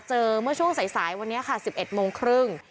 เมื่อช่วงสายวันนี้ค่ะ๑๑โมงครึ่ง